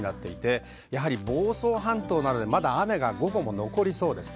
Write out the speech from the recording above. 房総半島などでまだ雨が午後残りそうです。